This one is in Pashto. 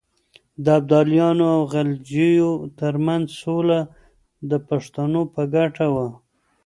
د ابدالیانو او غلجیو ترمنځ سوله د پښتنو په ګټه وه.